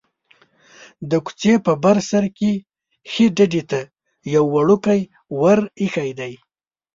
د کوڅې په بر سر کې ښيي ډډې ته یو وړوکی ور ایښی دی.